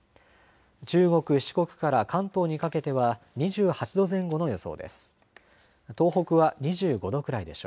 中国、四国から関東にかけては２８度前後の予想です。